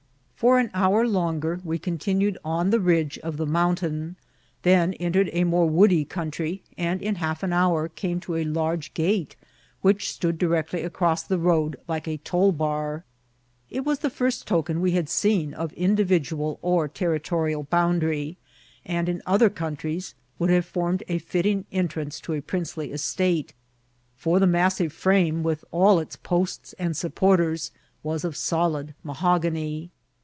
For an hour longer we continued on the ridge of the mountain, then entered a more woody country, and in half an hour came to a large gate, which stood directly across the road like a toUbar. It was the first token we had seen of individual or territorial boundary, and in other countries would have formed a fitting entrance to a princely estate ; for the massive firame, with all its posts and supporters, was of solid mahogany.